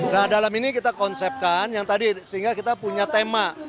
nah dalam ini kita konsepkan yang tadi sehingga kita punya tema